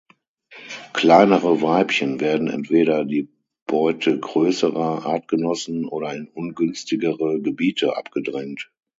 Kleinere Weibchen werden entweder die Beute größerer Artgenossen oder in ungünstigere Gebiete abgedrängt.